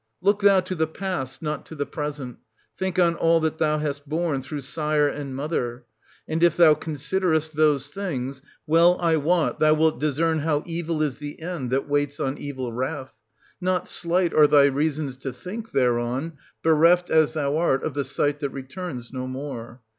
Look thou to the past, not to the present, — think on all that thou hast borne through sire and mother; and if thou considerest those things, well I wot, thou wilt discern how evil is the end that waits on evil wrath; 1200 not slight are thy reasons to think thereon, bereft, as thou art, of the sight that returns no more.